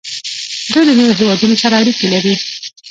دوی له نورو هیوادونو سره اړیکې لري.